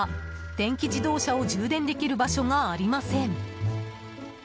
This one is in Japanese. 電気自動車を充電できる場所がありません。